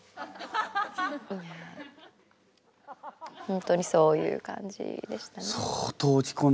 本当にそういう感じでしたね。